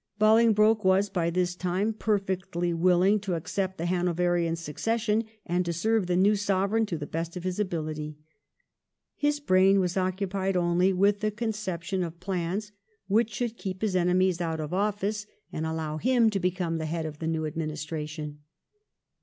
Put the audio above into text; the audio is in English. Bolingbroke was by this time perfectly willing to accept the Hanoverian succession, and to serve the new Sovereign to the best of his ability. His brain was occupied only with the conception of plans which should keep his enemies out of oflSce and 1714 * UNDAUNTED METTLE.' 339 allow him to become the head of the new administra tion.